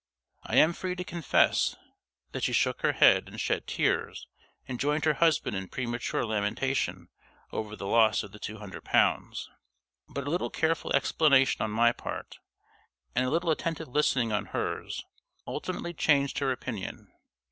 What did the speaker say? I am free to confess that she shook her head, and shed tears, and joined her husband in premature lamentation over the loss of the two hundred pounds. But a little careful explanation on my part, and a little attentive listening on hers, ultimately changed her opinion.